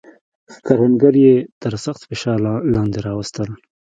کروندګر یې تر سخت فشار لاندې راوستل.